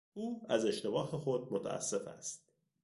او از اشتباه خود متاسف است.